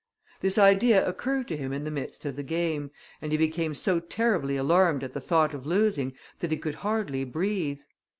This idea occurred to him in the midst of the game, and he became so terribly alarmed at the thought of losing, that he could hardly breathe.